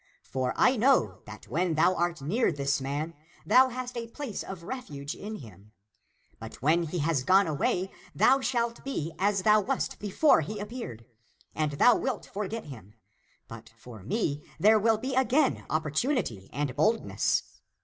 For I know that when thou art near this man, thou hast a place of refuge in him ; but when he has gone away, thou shalt be as thou wast before he appeared ; and thou wilt forget him. but for me there will be again opportunity and boldness.